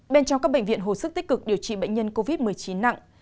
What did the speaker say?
bên trong các bệnh viện hồi sức tích cực điều trị bệnh nhân covid một mươi chín nặng